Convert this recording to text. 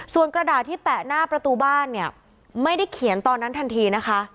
ส่วนกระดาษที่แปะหน้าประตูบ้านเนี่ยไม่ได้เขียนตอนนั้นทันทีนะคะ